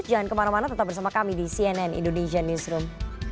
jangan kemana mana tetap bersama kami di cnn indonesia newsroom